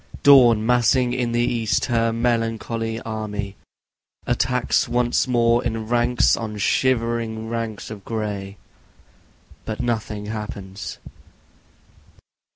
Dawn massing in the east her melancholy army Attacks once more in ranks on shivering ranks of gray, But nothing happens.